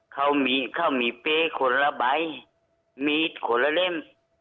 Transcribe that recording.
เขามีเป๊คนละใบมีดคนละเล่ม